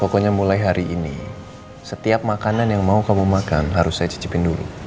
pokoknya mulai hari ini setiap makanan yang mau kamu makan harus saya cicipin dulu